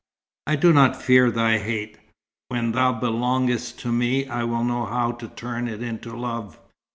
"I do not fear thy hate. When thou belongest to me, I will know how to turn it into love."